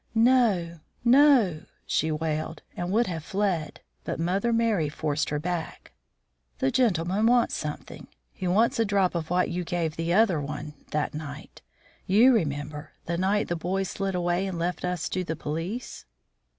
"No, no!" she wailed, and would have fled, but Mother Merry forced her back. "The gentleman wants something. He wants a drop of what you gave the other one that night. You remember, the night the boys slid away and left us to the police."